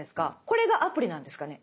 これがアプリなんですかね？